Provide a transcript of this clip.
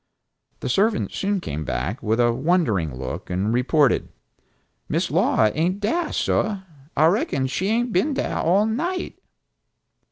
The servant soon came back, with a wondering look and reported, "Miss Laura ain't dah, sah. I reckon she hain't been dah all night!"